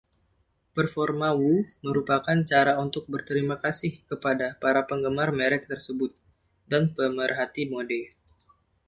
Performa Wu merupakan cara untuk berterima kasih kepada para penggemar merek tersebut dan pemerhati mode.